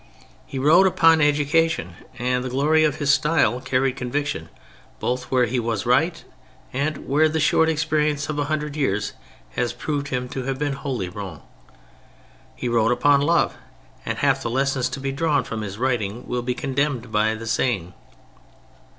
He wrote upon education, and the glory of his style carried conviction both where he was right and where the short experience of a hundred years has proved him to have been wholly wrong. He wrote upon love, and half the lessons to be drawn from his writing will be condemned by the sane.